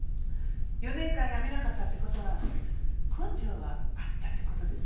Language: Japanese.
４年間辞めなかったって事は根性はあったって事ですよね？